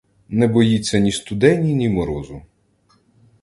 Не боїться ні студені, ні морозу.